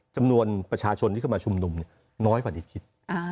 จำนวนประชาชนที่เข้ามาชุมนุมน้อยกว่าที่คิด